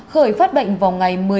khởi phát bệnh vào ngày